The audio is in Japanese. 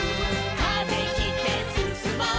「風切ってすすもう」